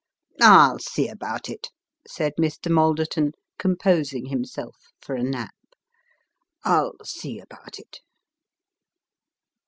" I'll see about it," said Mr. Malderton, composing himself for a nap ;" I'll see about it."